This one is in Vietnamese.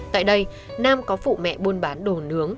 tại đây nam có phụ mẹ buôn bán đồ nướng